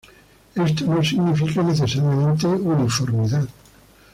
Esto no significa necesariamente uniformidad.